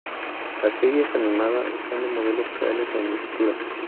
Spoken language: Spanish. La serie es animada usando modelos reales en miniatura.